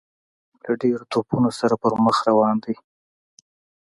له ډیرو توپونو سره پر مخ روان دی.